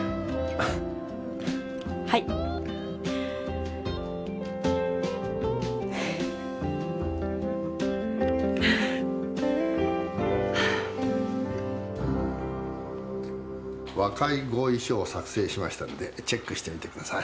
はい。和解合意書を作成しましたんでチェックしてみてください。